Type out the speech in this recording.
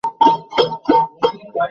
তিনি তাদের মধ্যে সংযোগ রক্ষা করতেন।